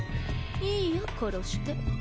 いいよ殺して。